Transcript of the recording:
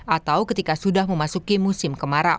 atau ketika sudah memasuki musim kemarau